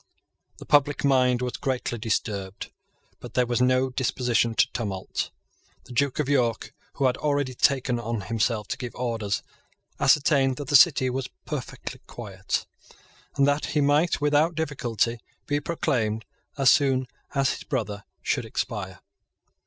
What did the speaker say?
The public mind was greatly disturbed; but there was no disposition to tumult. The Duke of York, who had already taken on himself to give orders, ascertained that the City was perfectly quiet, and that he might without difficulty be proclaimed as soon as his brother should expire.